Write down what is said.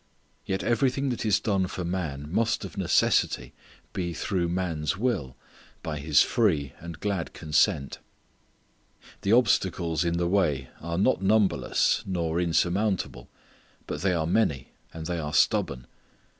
Yet everything that is done for man must of necessity be through man's will; by his free and glad consent. The obstacles in the way are not numberless nor insurmountable, but they are many and they are stubborn.